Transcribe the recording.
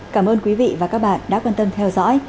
cảm ơn quý vị và các bạn đã quan tâm theo dõi